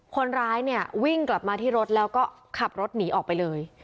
คนร้ายเนี่ยวิ่งกลับมาที่รถแล้วก็ขับรถหนีออกไปเลย